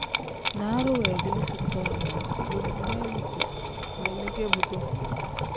Naaru weegeleezi too-ro bo nbeem isi weeni ge buduu.